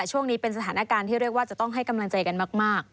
ช่วงนี้เป็นสถานการณ์ที่เรียกว่าจะต้องให้กำลังใจกันมาก